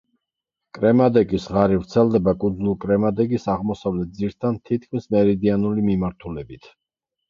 კერმადეკის ღარი ვრცელდება კუნძულ კერმადეკის აღმოსავლეთ ძირთან თითქმის მერიდიანული მიმართულებით.